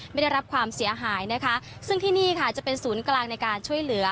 ไม่ได้รับความเสียหายนะคะซึ่งที่นี่ค่ะจะเป็นศูนย์กลางในการช่วยเหลือ